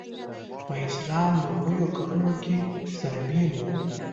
په اسلام لومړیو کلونو کې سره بېل وو.